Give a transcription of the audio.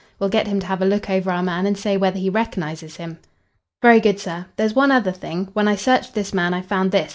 We'll get him to have a look over our man and say whether he recognises him." "Very good, sir. There's one other thing. When I searched this man I found this.